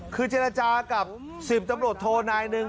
คือเจรจากับ๑๐ตำรวจโทนายหนึ่ง